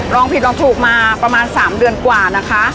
ลองผิดลองถูกมาประมาณ๓เดือนกว่านะคะ